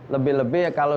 lebih lebih ya kalau